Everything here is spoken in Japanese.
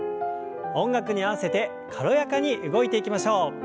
音楽に合わせて軽やかに動いていきましょう。